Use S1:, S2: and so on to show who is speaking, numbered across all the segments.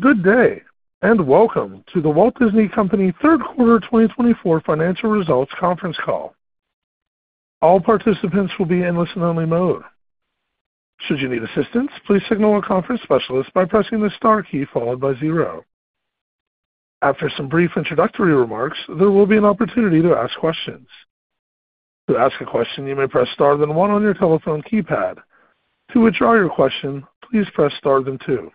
S1: Good day, and welcome to The Walt Disney Company Third Quarter 2024 Financial Results Conference Call. All participants will be in listen-only mode. Should you need assistance, please signal a conference specialist by pressing the star key followed by zero. After some brief introductory remarks, there will be an opportunity to ask questions. To ask a question, you may press star then one on your telephone keypad. To withdraw your question, please press star then two.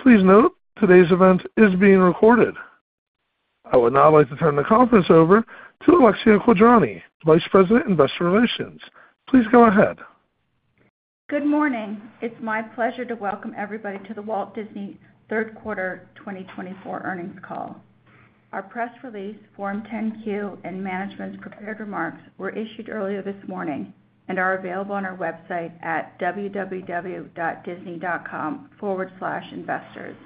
S1: Please note, today's event is being recorded. I would now like to turn the conference over to Alexia Quadrani, Vice President, Investor Relations. Please go ahead.
S2: Good morning. It's my pleasure to welcome everybody to the Walt Disney Third Quarter 2024 Earnings Call. Our press release, Form 10-Q, and management's prepared remarks were issued earlier this morning and are available on our website at www.disney.com/investors.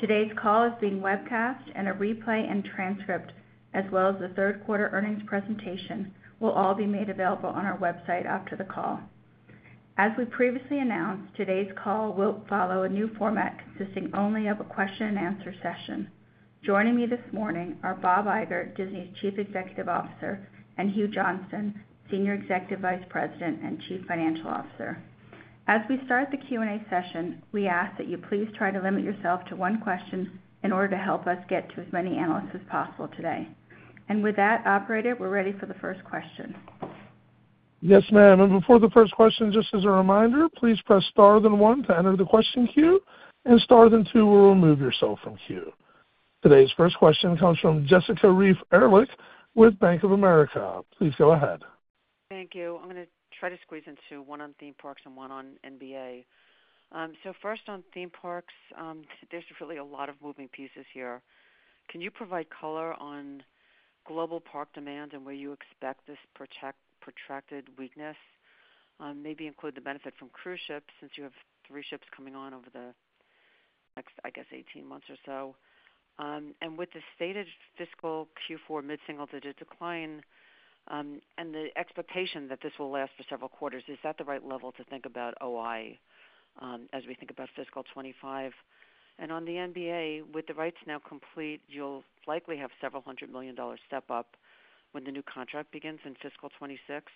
S2: Today's call is being webcast, and a replay and transcript, as well as the third quarter earnings presentation, will all be made available on our website after the call. As we previously announced, today's call will follow a new format consisting only of a question-and-answer session. Joining me this morning are Bob Iger, Disney's Chief Executive Officer, and Hugh Johnston, Senior Executive Vice President and Chief Financial Officer. As we start the Q&A session, we ask that you please try to limit yourself to one question in order to help us get to as many analysts as possible today. And with that, operator, we're ready for the first question.
S1: Yes, ma'am. Before the first question, just as a reminder, please press star then one to enter the question queue, and star then two will remove yourself from queue. Today's first question comes from Jessica Reif Ehrlich with Bank of America. Please go ahead.
S3: Thank you. I'm going to try to squeeze in two, one on theme parks and one on NBA. So first, on theme parks, there's really a lot of moving pieces here. Can you provide color on global park demand and where you expect this protracted weakness? Maybe include the benefit from cruise ships since you have three ships coming on over the next, I guess, 18 months or so. And with the stated fiscal Q4 mid-single digit decline and the expectation that this will last for several quarters, is that the right level to think about OI as we think about fiscal 2025? And on the NBA, with the rights now complete, you'll likely have several hundred million dollar step up when the new contract begins in fiscal 2026.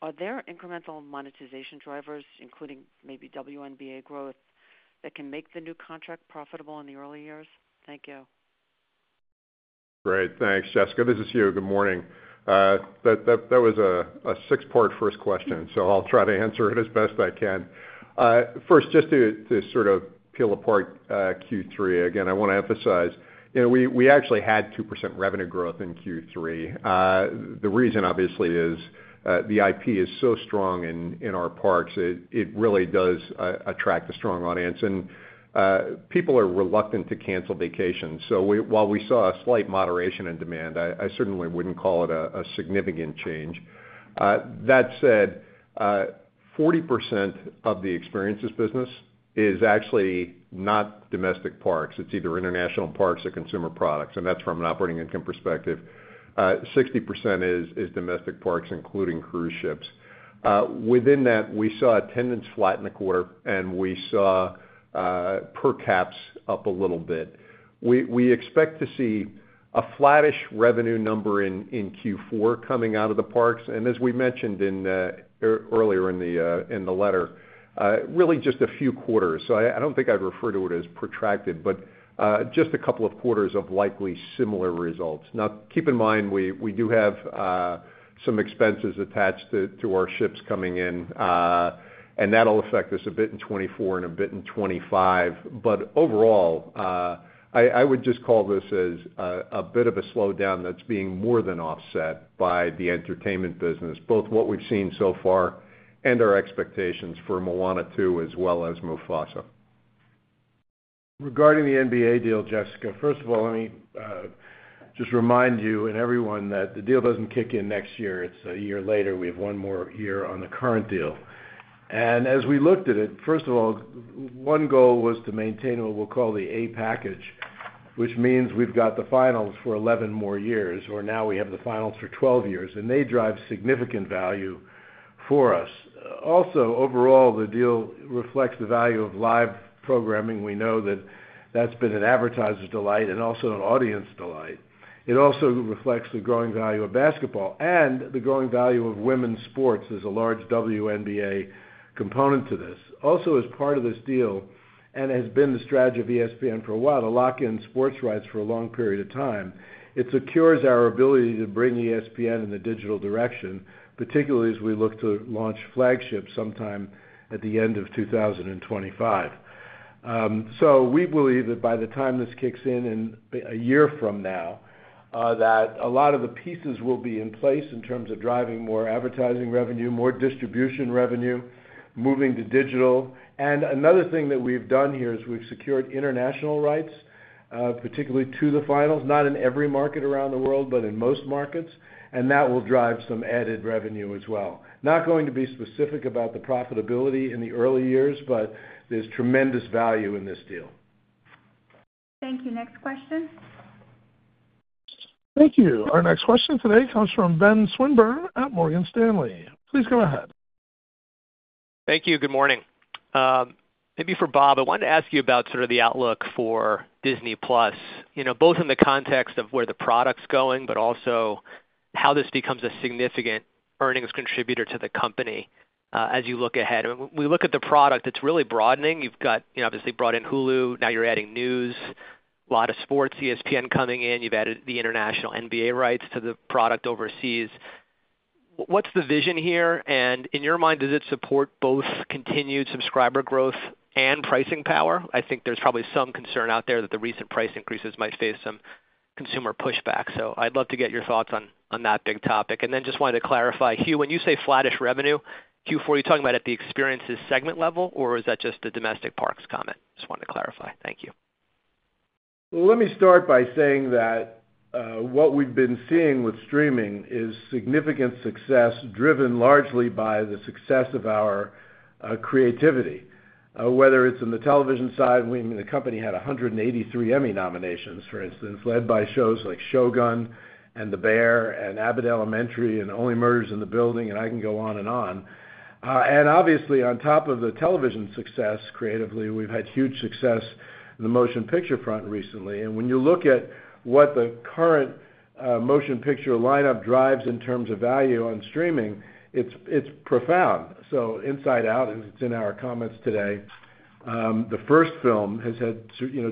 S3: Are there incremental monetization drivers, including maybe WNBA growth, that can make the new contract profitable in the early years? Thank you.
S4: Great. Thanks, Jessica. This is Hugh. Good morning. That was a six-part first question, so I'll try to answer it as best I can. First, just to sort of peel apart Q3, again, I want to emphasize we actually had 2% revenue growth in Q3. The reason, obviously, is the IP is so strong in our parks. It really does attract a strong audience. And people are reluctant to cancel vacations. So while we saw a slight moderation in demand, I certainly wouldn't call it a significant change. That said, 40% of the experiences business is actually not domestic parks. It's either international parks or consumer products. And that's from an operating income perspective. 60% is domestic parks, including cruise ships. Within that, we saw attendance flat in the quarter, and we saw per caps up a little bit. We expect to see a flattish revenue number in Q4 coming out of the parks. As we mentioned earlier in the letter, really just a few quarters. I don't think I'd refer to it as protracted, but just a couple of quarters of likely similar results. Now, keep in mind, we do have some expenses attached to our ships coming in, and that'll affect us a bit in 2024 and a bit in 2025. But overall, I would just call this as a bit of a slowdown that's being more than offset by the entertainment business, both what we've seen so far and our expectations for Moana 2 as well as Mufasa.
S5: Regarding the NBA deal, Jessica, first of all, let me just remind you and everyone that the deal doesn't kick in next year. It's a year later. We have one more year on the current deal. As we looked at it, first of all, one goal was to maintain what we'll call the A package, which means we've got the finals for 11 more years, or now we have the finals for 12 years, and they drive significant value for us. Also, overall, the deal reflects the value of live programming. We know that that's been an advertiser's delight and also an audience delight. It also reflects the growing value of basketball and the growing value of women's sports. There's a large WNBA component to this. Also, as part of this deal, and has been the strategy of ESPN for a while, to lock in sports rights for a long period of time. It secures our ability to bring ESPN in the digital direction, particularly as we look to launch Flagship sometime at the end of 2025. So we believe that by the time this kicks in in a year from now, that a lot of the pieces will be in place in terms of driving more advertising revenue, more distribution revenue, moving to digital. And another thing that we've done here is we've secured international rights, particularly to the finals, not in every market around the world, but in most markets. And that will drive some added revenue as well. Not going to be specific about the profitability in the early years, but there's tremendous value in this deal.
S2: Thank you. Next question.
S1: Thank you. Our next question today comes from Ben Swinburne at Morgan Stanley. Please go ahead.
S6: Thank you. Good morning. Maybe for Bob, I wanted to ask you about sort of the outlook for Disney+, both in the context of where the product's going, but also how this becomes a significant earnings contributor to the company as you look ahead. When we look at the product, it's really broadening. You've obviously brought in Hulu. Now you're adding news, a lot of sports, ESPN coming in. You've added the international NBA rights to the product overseas. What's the vision here? And in your mind, does it support both continued subscriber growth and pricing power? I think there's probably some concern out there that the recent price increases might face some consumer pushback. So I'd love to get your thoughts on that big topic. Just wanted to clarify, Hugh, when you say flattish revenue, Q4, are you talking about at the experiences segment level, or is that just the domestic parks comment? Just wanted to clarify. Thank you.
S5: Let me start by saying that what we've been seeing with streaming is significant success driven largely by the success of our creativity. Whether it's in the television side, I mean, the company had 183 Emmy nominations, for instance, led by shows like Shōgun and The Bear and Abbott Elementary and Only Murders in the Building, and I can go on and on. Obviously, on top of the television success creatively, we've had huge success in the motion picture front recently. When you look at what the current motion picture lineup drives in terms of value on streaming, it's profound. Inside Out, as it's in our comments today, the first film has had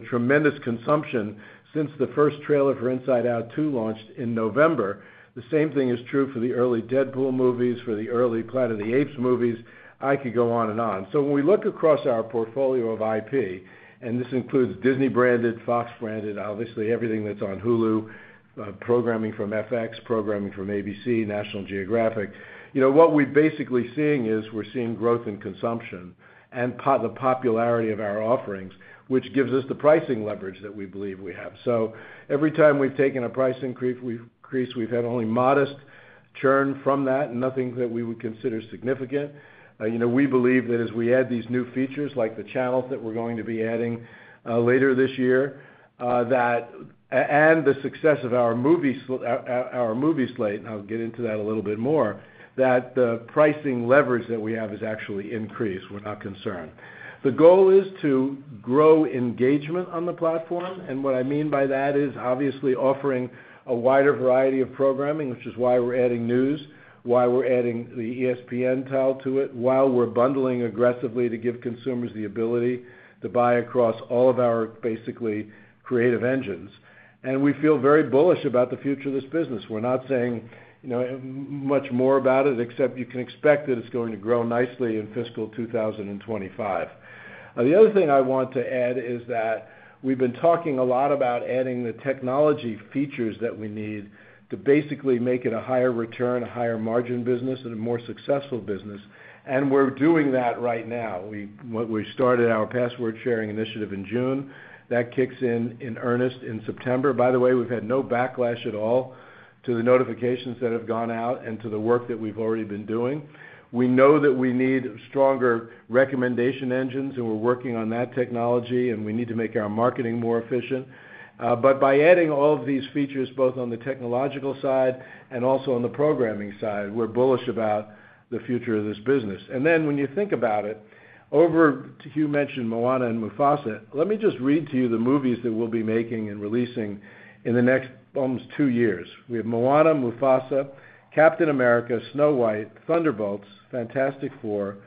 S5: tremendous consumption since the first trailer for Inside Out 2 launched in November. The same thing is true for the early Deadpool movies, for the early Planet of the Apes movies. I could go on and on. So when we look across our portfolio of IP, and this includes Disney-branded, Fox-branded, obviously everything that's on Hulu, programming from FX, programming from ABC, National Geographic, what we're basically seeing is we're seeing growth in consumption and the popularity of our offerings, which gives us the pricing leverage that we believe we have. So every time we've taken a price increase, we've had only modest churn from that, nothing that we would consider significant. We believe that as we add these new features, like the channels that we're going to be adding later this year, and the success of our movie slate, and I'll get into that a little bit more, that the pricing leverage that we have has actually increased. We're not concerned. The goal is to grow engagement on the platform. And what I mean by that is obviously offering a wider variety of programming, which is why we're adding news, why we're adding the ESPN tile to it, why we're bundling aggressively to give consumers the ability to buy across all of our basically creative engines. And we feel very bullish about the future of this business. We're not saying much more about it, except you can expect that it's going to grow nicely in fiscal 2025. The other thing I want to add is that we've been talking a lot about adding the technology features that we need to basically make it a higher return, a higher margin business, and a more successful business. And we're doing that right now. We started our password-sharing initiative in June. That kicks in earnest in September. By the way, we've had no backlash at all to the notifications that have gone out and to the work that we've already been doing. We know that we need stronger recommendation engines, and we're working on that technology, and we need to make our marketing more efficient. But by adding all of these features, both on the technological side and also on the programming side, we're bullish about the future of this business. Then when you think about it, Hugh mentioned Moana and Mufasa. Let me just read to you the movies that we'll be making and releasing in the next almost two years. We have Moana, Mufasa, Captain America, Snow White, Thunderbolts, Fantastic Four,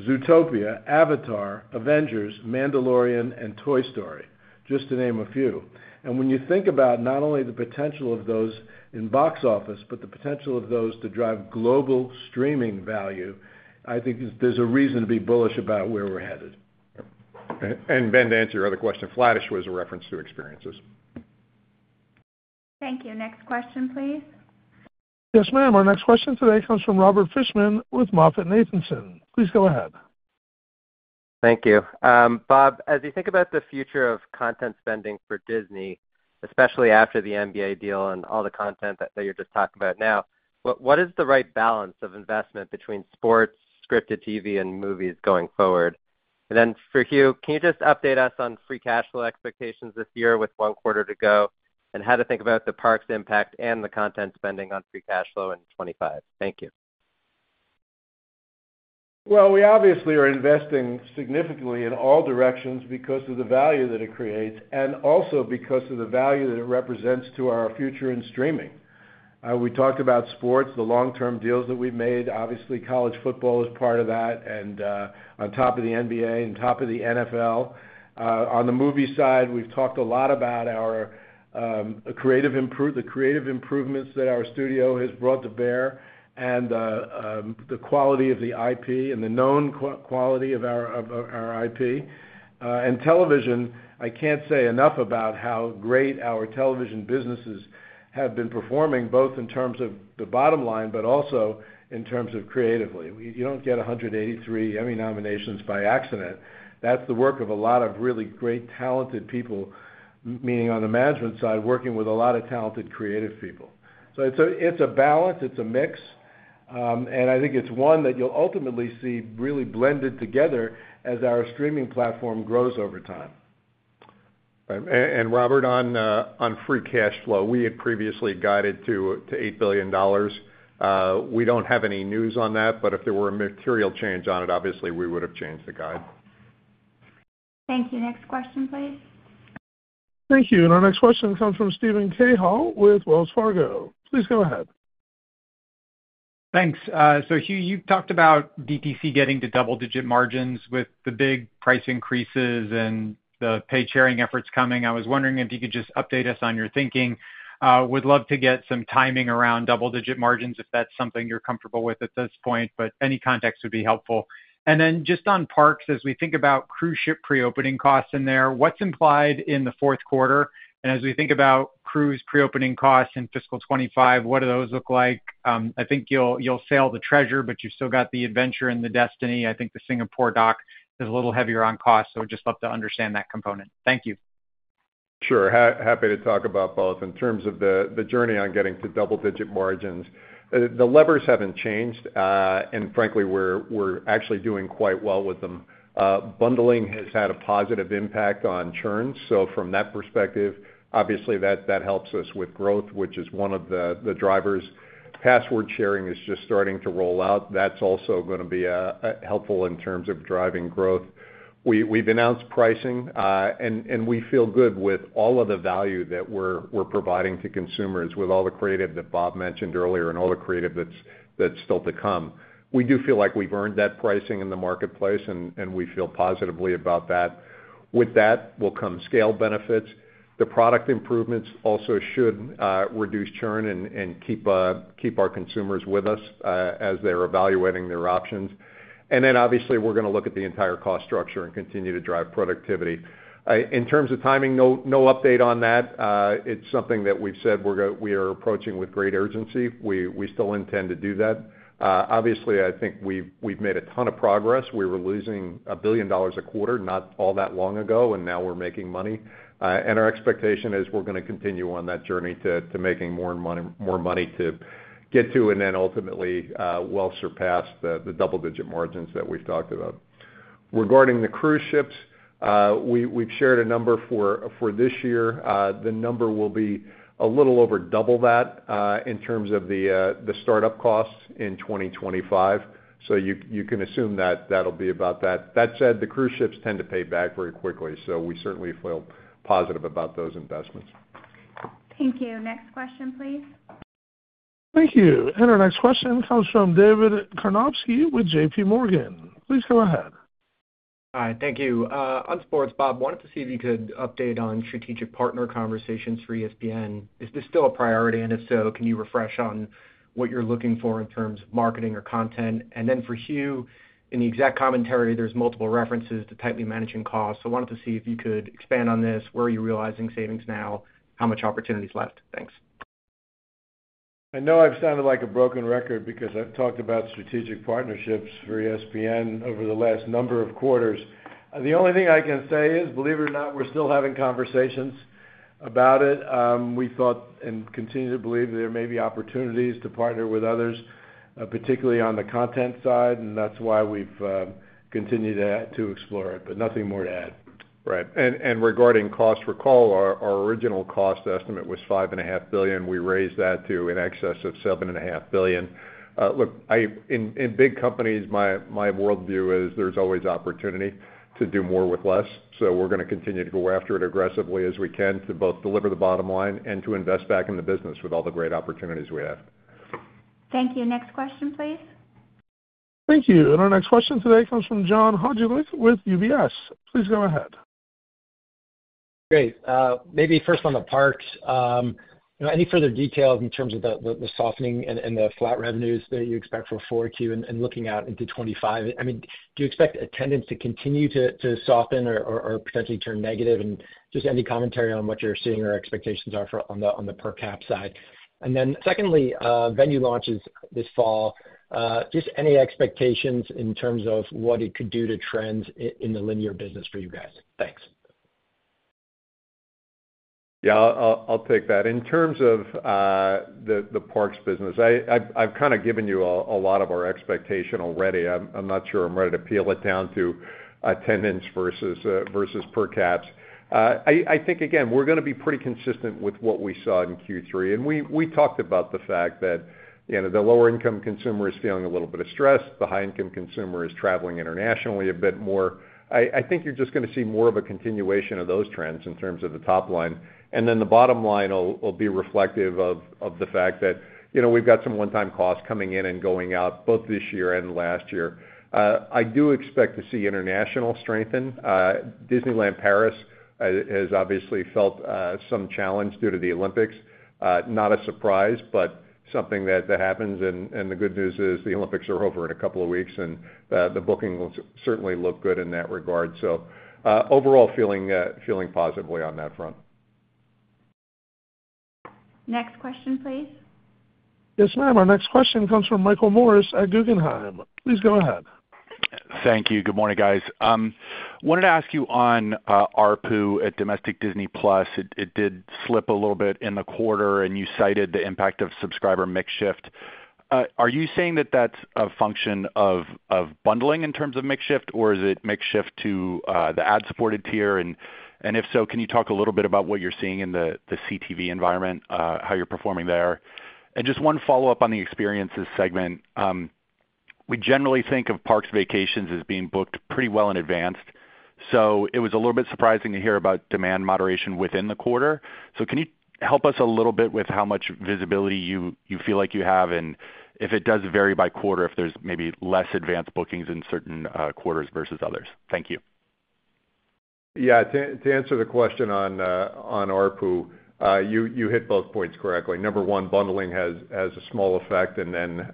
S5: Zootopia, Avatar, Avengers, Mandalorian, and Toy Story, just to name a few. When you think about not only the potential of those in box office, but the potential of those to drive global streaming value, I think there's a reason to be bullish about where we're headed.
S4: Ben, to answer your other question, flattish was a reference to experiences.
S2: Thank you. Next question, please.
S1: Yes, ma'am. Our next question today comes from Robert Fishman with MoffettNathanson. Please go ahead.
S7: Thank you. Bob, as you think about the future of content spending for Disney, especially after the NBA deal and all the content that you're just talking about now, what is the right balance of investment between sports, scripted TV, and movies going forward? And then for Hugh, can you just update us on free cash flow expectations this year with one quarter to go and how to think about the park's impact and the content spending on free cash flow in 2025? Thank you.
S5: Well, we obviously are investing significantly in all directions because of the value that it creates and also because of the value that it represents to our future in streaming. We talked about sports, the long-term deals that we've made. Obviously, college football is part of that, and on top of the NBA, on top of the NFL. On the movie side, we've talked a lot about the creative improvements that our studio has brought to bear and the quality of the IP and the known quality of our IP. And television, I can't say enough about how great our television businesses have been performing, both in terms of the bottom line, but also in terms of creatively. You don't get 183 Emmy nominations by accident. That's the work of a lot of really great, talented people, meaning on the management side, working with a lot of talented creative people. So it's a balance. It's a mix. And I think it's one that you'll ultimately see really blended together as our streaming platform grows over time.
S4: And Robert, on free cash flow, we had previously guided to $8 billion. We don't have any news on that, but if there were a material change on it, obviously we would have changed the guide.
S2: Thank you. Next question, please.
S1: Thank you. Our next question comes from Steven Cahall with Wells Fargo. Please go ahead.
S8: Thanks. So Hugh, you talked about DTC getting to double-digit margins with the big price increases and the paid-sharing efforts coming. I was wondering if you could just update us on your thinking. Would love to get some timing around double-digit margins if that's something you're comfortable with at this point, but any context would be helpful. And then just on parks, as we think about cruise ship pre-opening costs in there, what's implied in the fourth quarter? And as we think about cruise pre-opening costs in fiscal 2025, what do those look like? I think you'll sail the Treasure, but you've still got the Adventure and the Destiny. I think the Singapore dock is a little heavier on cost, so I'd just love to understand that component. Thank you.
S4: Sure. Happy to talk about both. In terms of the journey on getting to double-digit margins, the levers haven't changed, and frankly, we're actually doing quite well with them. Bundling has had a positive impact on churn. So from that perspective, obviously that helps us with growth, which is one of the drivers. Password sharing is just starting to roll out. That's also going to be helpful in terms of driving growth. We've announced pricing, and we feel good with all of the value that we're providing to consumers with all the creative that Bob mentioned earlier and all the creative that's still to come. We do feel like we've earned that pricing in the marketplace, and we feel positively about that. With that will come scale benefits. The product improvements also should reduce churn and keep our consumers with us as they're evaluating their options. Then obviously, we're going to look at the entire cost structure and continue to drive productivity. In terms of timing, no update on that. It's something that we've said we are approaching with great urgency. We still intend to do that. Obviously, I think we've made a ton of progress. We were losing $1 billion a quarter not all that long ago, and now we're making money. Our expectation is we're going to continue on that journey to making more money to get to and then ultimately well surpass the double-digit margins that we've talked about. Regarding the cruise ships, we've shared a number for this year. The number will be a little over double that in terms of the startup costs in 2025. You can assume that that'll be about that. That said, the cruise ships tend to pay back very quickly, so we certainly feel positive about those investments.
S2: Thank you. Next question, please.
S1: Thank you. And our next question comes from David Karnovsky with J.P. Morgan. Please go ahead.
S9: Hi. Thank you. On sports, Bob, wanted to see if you could update on strategic partner conversations for ESPN. Is this still a priority? And if so, can you refresh on what you're looking for in terms of marketing or content? And then for Hugh, in the exact commentary, there's multiple references to tightly managing costs. So I wanted to see if you could expand on this. Where are you realizing savings now? How much opportunity is left? Thanks.
S5: I know I've sounded like a broken record because I've talked about strategic partnerships for ESPN over the last number of quarters. The only thing I can say is, believe it or not, we're still having conversations about it. We thought and continue to believe there may be opportunities to partner with others, particularly on the content side, and that's why we've continued to explore it. But nothing more to add.
S4: Right. And regarding cost, recall, our original cost estimate was $5.5 billion. We raised that to an excess of $7.5 billion. Look, in big companies, my worldview is there's always opportunity to do more with less. So we're going to continue to go after it aggressively as we can to both deliver the bottom line and to invest back in the business with all the great opportunities we have.
S2: Thank you. Next question, please.
S1: Thank you. And our next question today comes from John Hodulik with UBS. Please go ahead.
S10: Great. Maybe first on the parks, any further details in terms of the softening and the flat revenues that you expect for 4Q and looking out into 2025? I mean, do you expect attendance to continue to soften or potentially turn negative? And just any commentary on what you're seeing or expectations are on the per-cap side? And then secondly, Venu launches this fall, just any expectations in terms of what it could do to trends in the linear business for you guys? Thanks.
S4: Yeah, I'll take that. In terms of the parks business, I've kind of given you a lot of our expectation already. I'm not sure I'm ready to peel it down to attendance versus per-caps. I think, again, we're going to be pretty consistent with what we saw in Q3. We talked about the fact that the lower-income consumer is feeling a little bit of stress. The high-income consumer is traveling internationally a bit more. I think you're just going to see more of a continuation of those trends in terms of the top line. Then the bottom line will be reflective of the fact that we've got some one-time costs coming in and going out both this year and last year. I do expect to see international strengthen. Disneyland Paris has obviously felt some challenge due to the Olympics. Not a surprise, but something that happens. The good news is the Olympics are over in a couple of weeks, and the bookings certainly look good in that regard. Overall, feeling positively on that front.
S2: Next question, please.
S1: Yes, ma'am. Our next question comes from Michael Morris at Guggenheim. Please go ahead.
S11: Thank you. Good morning, guys. Wanted to ask you on ARPU at Domestic Disney+. It did slip a little bit in the quarter, and you cited the impact of subscriber mix shift. Are you saying that that's a function of bundling in terms of mix shift, or is it mix shift to the ad-supported tier? And if so, can you talk a little bit about what you're seeing in the CTV environment, how you're performing there? And just one follow-up on the experiences segment. We generally think of parks vacations as being booked pretty well in advance. So it was a little bit surprising to hear about demand moderation within the quarter. So can you help us a little bit with how much visibility you feel like you have and if it does vary by quarter if there's maybe less advanced bookings in certain quarters versus others? Thank you.
S4: Yeah. To answer the question on ARPU, you hit both points correctly. Number one, bundling has a small effect. And then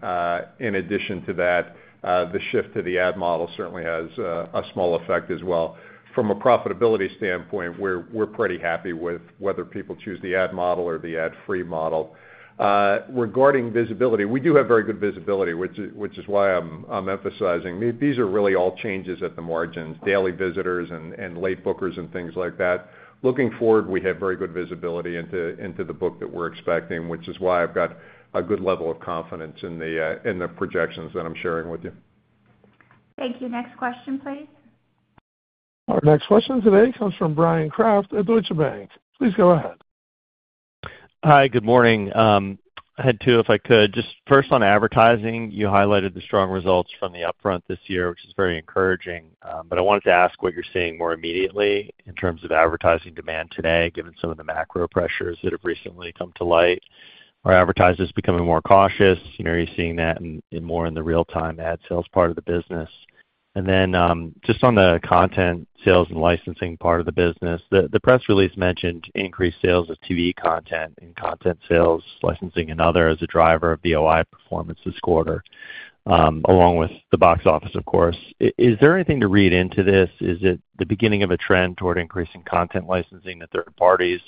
S4: in addition to that, the shift to the ad model certainly has a small effect as well. From a profitability standpoint, we're pretty happy with whether people choose the ad model or the ad-free model. Regarding visibility, we do have very good visibility, which is why I'm emphasizing. These are really all changes at the margins, daily visitors and late bookers and things like that. Looking forward, we have very good visibility into the book that we're expecting, which is why I've got a good level of confidence in the projections that I'm sharing with you.
S2: Thank you. Next question, please.
S1: Our next question today comes from Bryan Kraft at Deutsche Bank. Please go ahead.
S12: Hi. Good morning. I had two, if I could. Just first on advertising, you highlighted the strong results from the Upfront this year, which is very encouraging. But I wanted to ask what you're seeing more immediately in terms of advertising demand today, given some of the macro pressures that have recently come to light. Are advertisers becoming more cautious? Are you seeing that more in the real-time ad sales part of the business? And then just on the content sales and licensing part of the business, the press release mentioned increased sales of TV content and content sales, licensing, and other as a driver of OI performance this quarter, along with the box office, of course. Is there anything to read into this? Is it the beginning of a trend toward increasing content licensing to third parties,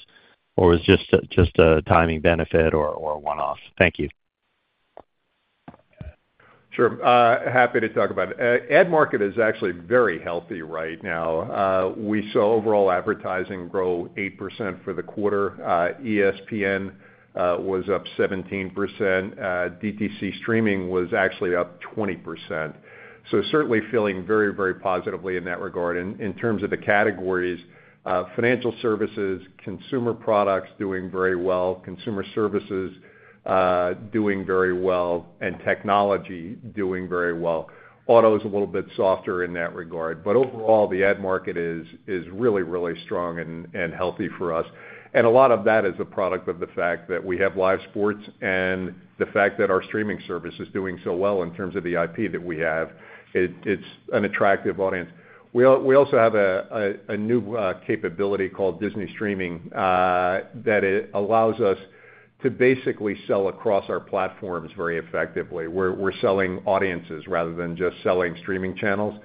S12: or was it just a timing benefit or a one-off? Thank you.
S4: Sure. Happy to talk about it. Ad market is actually very healthy right now. We saw overall advertising grow 8% for the quarter. ESPN was up 17%. DTC streaming was actually up 20%. So certainly feeling very, very positively in that regard. And in terms of the categories, financial services, consumer products doing very well, consumer services doing very well, and technology doing very well. Auto is a little bit softer in that regard. But overall, the ad market is really, really strong and healthy for us. And a lot of that is a product of the fact that we have live sports and the fact that our streaming service is doing so well in terms of the IP that we have. It's an attractive audience. We also have a new capability called Disney Streaming that allows us to basically sell across our platforms very effectively. We're selling audiences rather than just selling streaming channels,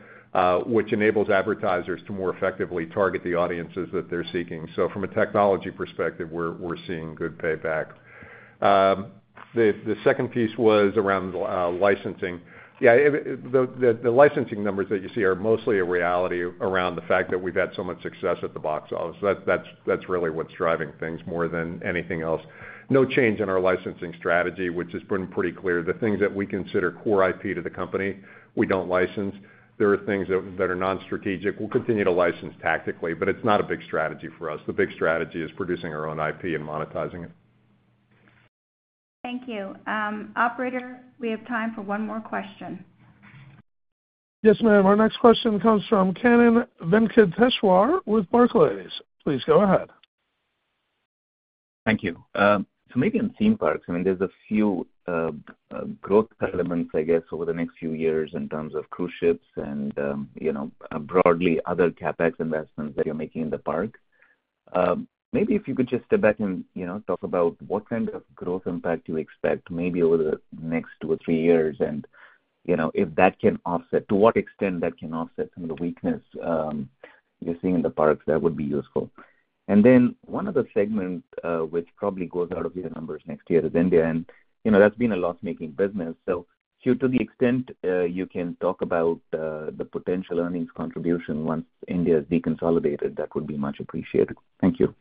S4: which enables advertisers to more effectively target the audiences that they're seeking. So from a technology perspective, we're seeing good payback. The second piece was around licensing. Yeah, the licensing numbers that you see are mostly a reality around the fact that we've had so much success at the box office. That's really what's driving things more than anything else. No change in our licensing strategy, which has been pretty clear. The things that we consider core IP to the company, we don't license. There are things that are non-strategic. We'll continue to license tactically, but it's not a big strategy for us. The big strategy is producing our own IP and monetizing it.
S2: Thank you. Operator, we have time for one more question.
S1: Yes, ma'am. Our next question comes from Kannan Venkateshwar with Barclays. Please go ahead.
S13: Thank you. So maybe in theme parks, I mean, there's a few growth elements, I guess, over the next few years in terms of cruise ships and broadly other CapEx investments that you're making in the park. Maybe if you could just step back and talk about what kind of growth impact you expect maybe over the next two or three years and if that can offset, to what extent that can offset some of the weakness you're seeing in the parks, that would be useful. And then one other segment, which probably goes out of your numbers next year, is India. And that's been a loss-making business. So to the extent you can talk about the potential earnings contribution once India is deconsolidated, that would be much appreciated. Thank you.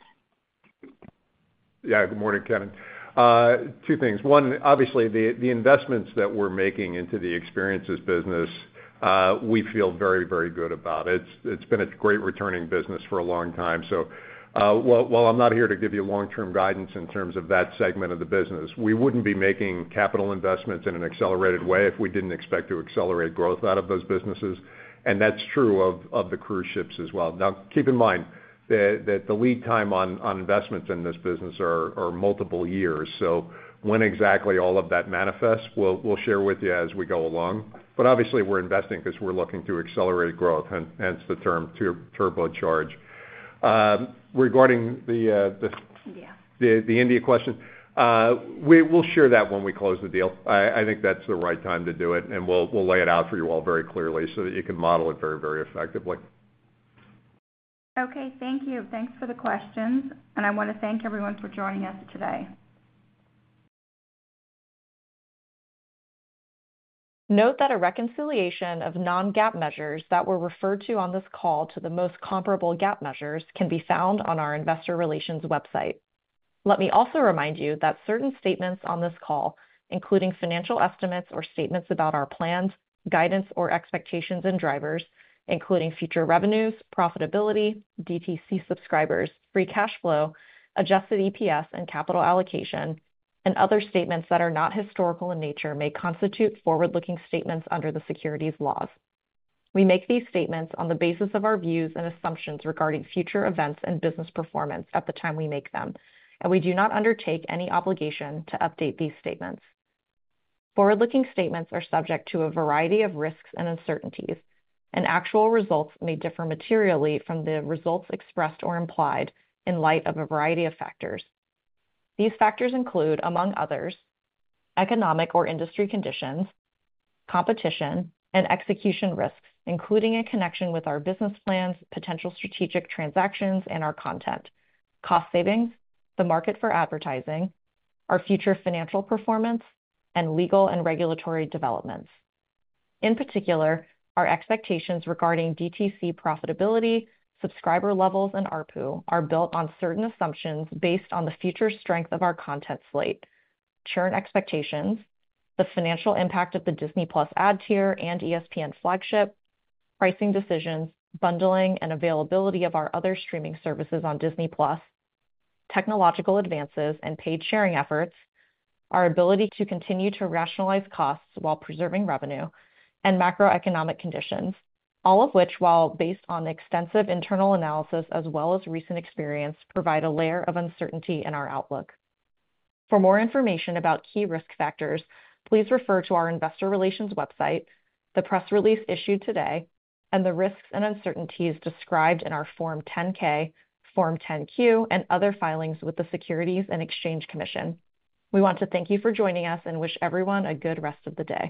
S4: Yeah. Good morning, Kannan. Two things. One, obviously, the investments that we're making into the experiences business, we feel very, very good about. It's been a great returning business for a long time. So while I'm not here to give you long-term guidance in terms of that segment of the business, we wouldn't be making capital investments in an accelerated way if we didn't expect to accelerate growth out of those businesses. And that's true of the cruise ships as well. Now, keep in mind that the lead time on investments in this business are multiple years. So when exactly all of that manifests, we'll share with you as we go along. But obviously, we're investing because we're looking to accelerate growth, hence the term turbocharge. Regarding the India question, we'll share that when we close the deal. I think that's the right time to do it. We'll lay it out for you all very clearly so that you can model it very, very effectively.
S2: Okay. Thank you. Thanks for the questions. I want to thank everyone for joining us today.
S14: Note that a reconciliation of non-GAAP measures that were referred to on this call to the most comparable GAAP measures can be found on our investor relations website. Let me also remind you that certain statements on this call, including financial estimates or statements about our plans, guidance, or expectations and drivers, including future revenues, profitability, DTC subscribers, free cash flow, adjusted EPS, and capital allocation, and other statements that are not historical in nature may constitute forward-looking statements under the securities laws. We make these statements on the basis of our views and assumptions regarding future events and business performance at the time we make them. We do not undertake any obligation to update these statements. Forward-looking statements are subject to a variety of risks and uncertainties. Actual results may differ materially from the results expressed or implied in light of a variety of factors. These factors include, among others, economic or industry conditions, competition, and execution risks, including a connection with our business plans, potential strategic transactions, and our content, cost savings, the market for advertising, our future financial performance, and legal and regulatory developments. In particular, our expectations regarding DTC profitability, subscriber levels, and ARPU are built on certain assumptions based on the future strength of our content slate, churn expectations, the financial impact of the Disney+ ad tier and ESPN Flagship, pricing decisions, bundling and availability of our other streaming services on Disney+, technological advances and paid sharing efforts, our ability to continue to rationalize costs while preserving revenue, and macroeconomic conditions, all of which, while based on extensive internal analysis as well as recent experience, provide a layer of uncertainty in our outlook. For more information about key risk factors, please refer to our investor relations website, the press release issued today, and the risks and uncertainties described in our Form 10-K, Form 10-Q, and other filings with the Securities and Exchange Commission. We want to thank you for joining us and wish everyone a good rest of the day.